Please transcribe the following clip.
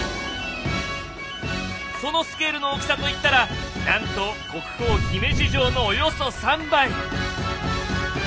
そのスケールの大きさといったらなんと国宝姫路城のおよそ３倍！